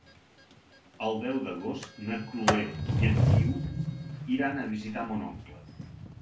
El deu d'agost na Chloé i en Guiu iran a visitar mon oncle.